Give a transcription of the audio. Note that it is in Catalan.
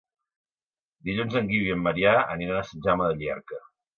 Dilluns en Guiu i en Maria aniran a Sant Jaume de Llierca.